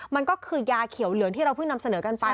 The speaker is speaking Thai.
มันก็คือยาเขียวเหลืองที่เราเพิ่งนำเสนอกันไป